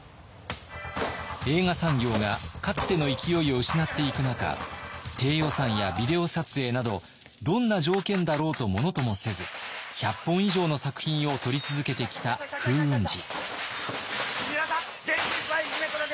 映画産業がかつての勢いを失っていく中低予算やビデオ撮影などどんな条件だろうとものともせず１００本以上の作品を撮り続けてきた風雲児。